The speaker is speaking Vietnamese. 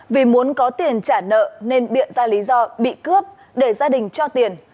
vì muốn có tiền trả nợ nên biện ra lý do bị cướp để gia đình cho tiền